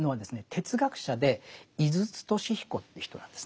哲学者で井筒俊彦という人なんですね。